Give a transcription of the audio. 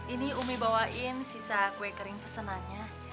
ini umi bawain sisa kue kering pesenannya